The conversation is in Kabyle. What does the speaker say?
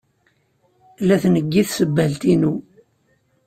La tneggi tsebbalt-inu.